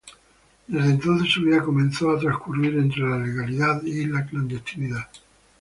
Desde entonces su vida comenzó a transcurrir entre la legalidad y la clandestinidad.